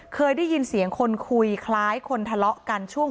เคยได้ยินเสียงคนคุยคล้ายคนทะเลาะกันช่วง